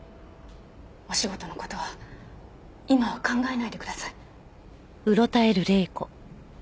お仕事の事は今は考えないでください。